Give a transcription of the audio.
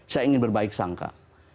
saya ingin berbaik sangka